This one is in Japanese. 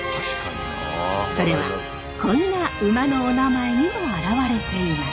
それはこんな馬のおなまえにも表れています。